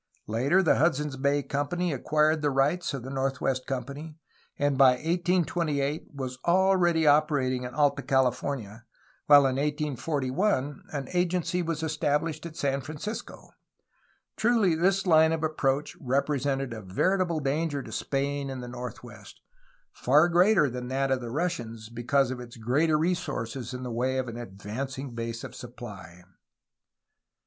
Later, the Hudson^ s Bay Company acquired the rights of the North West Company, and by 1828 was already operating in Alta California, while in 1841 an agency was established at San Francisco. Truly this line of approach represented a veritable danger to Spain in the northwest — far greater than that of the Russians, because of its greater resources in the way of an advancing base of supply.